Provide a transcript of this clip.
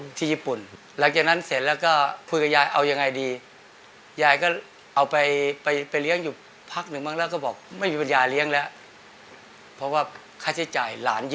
ที่ญี่ปุ่นหลังจากนั้นเสร็จแล้วก็คุยกับยายเอายังไงดียายก็เอาไปไปเลี้ยงอยู่พักหนึ่งบ้างแล้วก็บอกไม่มีปัญญาเลี้ยงแล้วเพราะว่าค่าใช้จ่ายหลานเยอะ